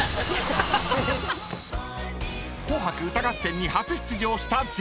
［『紅白歌合戦』に初出場したＪＯ１］